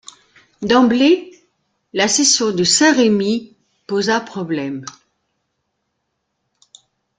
D’emblée, la cession de Saint-Rémy posa problème.